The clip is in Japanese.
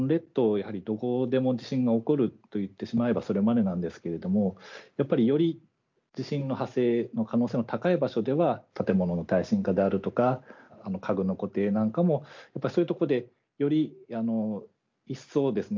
やはりどこでも地震が起こると言ってしまえばそれまでなんですけれどもやっぱりより地震の発生の可能性の高い場所では建物の耐震化であるとか家具の固定なんかもやっぱりそういうとこでより一層ですね